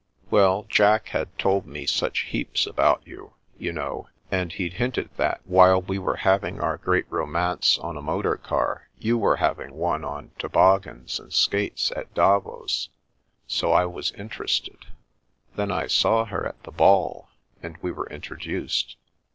" Well, Jack had told me such heaps about you, you know, and he'd hinted that, while we were hav ing our great romance on a motor car, you were hav ing one on toboggans and skates at Davos, so I was interested. Then I saw her at the ball, and we were introduced.